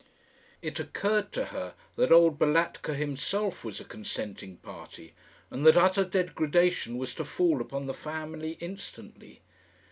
It occurred to her that old Balatka himself was a consenting party, and that utter degradation was to fall upon the family instantly.